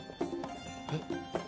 えっ？